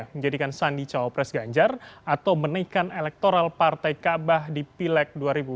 menjadikan sandi cawapres ganjar atau menaikkan elektoral partai kaabah di pileg dua ribu dua puluh